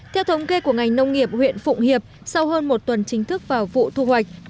theo thống kê của ngành nông nghiệp huyện phụng hiệp sau hơn một tuần chính thức vào vụ thu hoạch